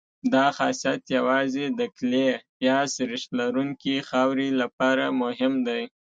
دا خاصیت یوازې د کلې یا سریښ لرونکې خاورې لپاره مهم دی